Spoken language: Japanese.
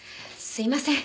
すいません。